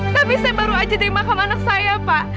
tapi saya baru aja dari makam anak saya pak